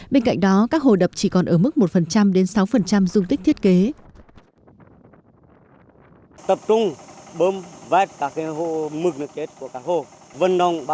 bên cạnh đó các hồ đập chỉ còn ở mức một sáu dung tích thiết kế